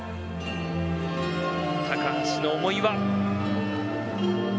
高橋の思いは。